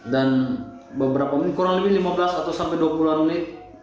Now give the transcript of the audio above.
dan kurang lebih lima belas atau sampai dua puluh menit